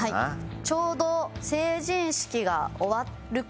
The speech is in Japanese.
ちょうど成人式が終わる頃。